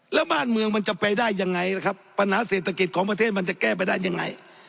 แล้วบ้านเมืองมันจะไปได้ยังไงล่ะครับปัญหาเศรษฐกิจของประเทศมันจะแก้ไปได้ยังไง